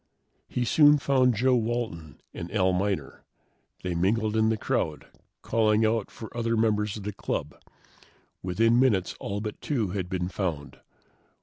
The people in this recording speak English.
He soon found Joe Walton and Al Miner. They mingled in the crowd, calling out for other members of the club. Within minutes, all but two had been found.